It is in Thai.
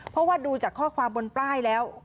เพราะว่าดูจากข้อความบนป้ายแล้ว